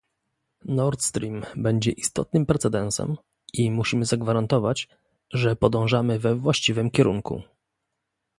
Nordstream będzie istotnym precedensem i musimy zagwarantować, że podążamy we właściwym kierunku